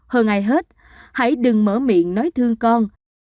hơn ai hết hãy đừng mở miệng nói thương con